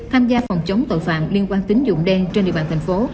tham gia phòng chống tội phạm liên quan tính dụng đen trên địa bàn tp